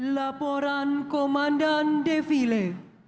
laporan komandan defile